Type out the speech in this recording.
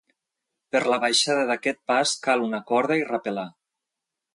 Per la baixada d'aquest pas cal una corda i rapelar.